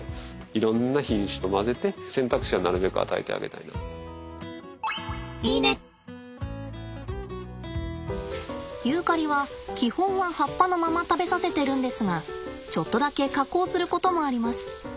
野生の動物ですからユーカリは基本は葉っぱのまま食べさせてるんですがちょっとだけ加工することもあります。